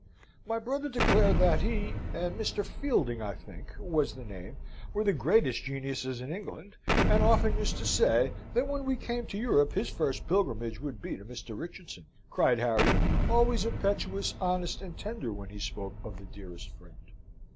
"My brother declared that he, and Mr. Fielding, I think, was the name, were the greatest geniuses in England; and often used to say, that when we came to Europe, his first pilgrimage would be to Mr. Richardson," cried Harry, always impetuous, honest, and tender, when he spoke of the dearest friend.